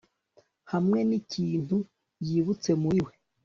Hamwe nikintu yibutse muri we